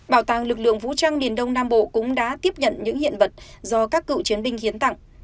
bảo tàng lực lượng vũ trang miền đông nam bộ cũng đã tiếp nhận những hiện vật do các cựu chiến binh hiến tặng